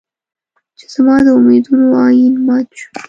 چې زما د امېدونو ائين مات شو